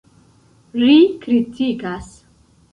Ri kritikas.